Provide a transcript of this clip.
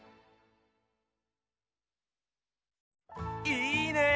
いいね！